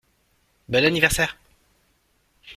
Bon anniversaire !